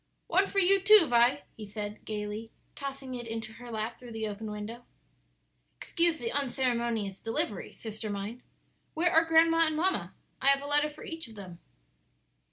"One for you, too, Vi," he said gayly, tossing it into her lap through the open window. "Excuse the unceremonious delivery, sister mine. Where are grandma and mamma? I have a letter for each of them."